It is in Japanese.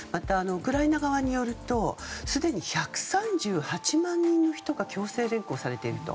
ウクライナ側によるとすでに１３８万人の人が強制連行されていると。